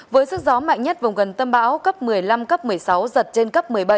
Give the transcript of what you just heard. với sức gió mạnh nhất vùng gần tâm bão cấp một mươi năm cấp một mươi sáu giật trên cấp một mươi bảy